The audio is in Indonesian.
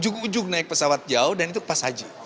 aku ujung naik pesawat jauh dan itu pas haji